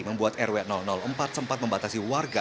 membuat rw empat sempat membatasi warga